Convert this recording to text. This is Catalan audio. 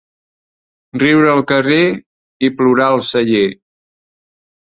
Riure al carrer i plorar al celler.